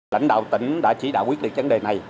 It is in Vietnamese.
lãnh đạo tỉnh đã chỉ đạo quyết định chấn đề này